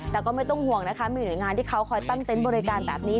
แต่ก็ไม่ต้องห่วงนะคะมีหน่วยงานที่เขาคอยตั้งเต็นต์บริการแบบนี้